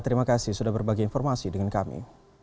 terima kasih sudah berbagi informasi dengan kami